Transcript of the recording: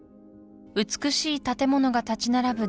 美しい建物が立ち並ぶ